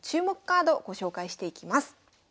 カードご紹介していきます。